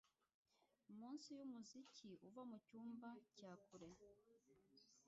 Munsi yumuziki uva mucyumba cya kure.